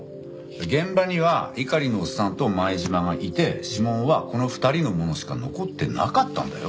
現場には猪狩のオッサンと前島がいて指紋はこの２人のものしか残ってなかったんだよ。